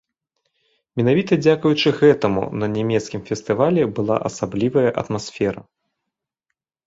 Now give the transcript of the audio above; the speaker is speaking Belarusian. Менавіта дзякуючы гэтаму на нямецкім фестывалі была асаблівая атмасфера.